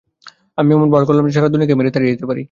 আমি এমন ভান করলাম যেন সারা দুনিয়াকে মেরে তাড়িয়ে দিতে পারি।